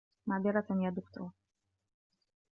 معذرة يا دكتور.